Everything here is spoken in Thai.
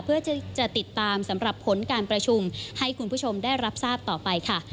เพื่อจะติดตามสำหรับผลการประชุมให้คุณผู้ชมได้รับทราบต่อไปค่ะ